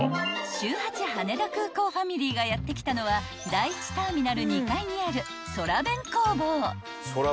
［週８羽田空港ファミリーがやって来たのは第１ターミナル２階にある］